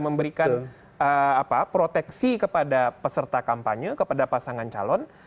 memberikan proteksi kepada peserta kampanye kepada pasangan calon